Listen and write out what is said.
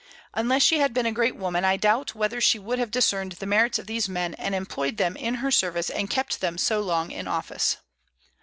Unless she had been a great woman, I doubt whether she would have discerned the merits of these men, and employed them in her service and kept them so long in office.